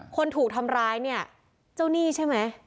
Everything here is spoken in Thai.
คนถูกทำร้ายเนี่ยเจ้าหนี้ใช่ไหม